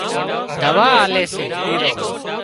دوا آلي سي